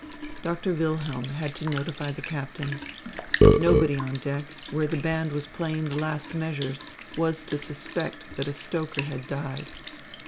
Doctor Wilhelm had to notify the captain. Nobody on deck, where the band was playing the last measures, was to suspect that a stoker had died.